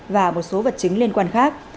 và một số vật chứng liên quan khác